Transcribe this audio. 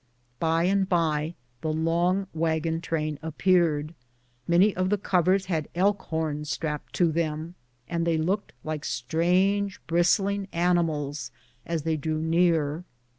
Bj and by the long wagon train appeared. Many of the covers had elk horns strapped to them, until they looked like strange bristling animals as they drew near.